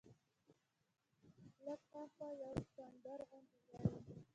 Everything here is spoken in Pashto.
لږ ها خوا یو کنډر غوندې ځای و.